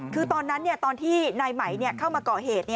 คือตอนนั้นตอนที่นายไหมเข้ามาก่อเหตุ